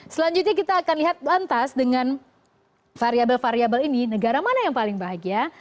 selanjutnya kita akan lihat lantas dengan variable variable ini negara mana yang paling bahagia